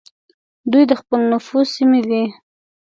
دوی د خپل نفوذ سیمې وې.